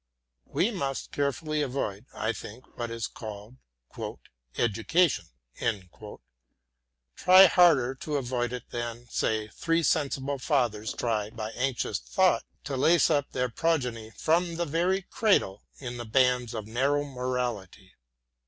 We must carefully avoid, I think, what is called "education;" try harder to avoid it than, say, three sensible fathers try, by anxious thought, to lace up their progeny from the very cradle in the bands of narrow morality.